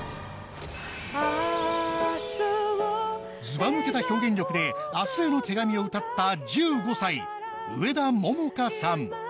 ずば抜けた表現力で『明日への手紙』を歌った１５歳上田桃夏さん。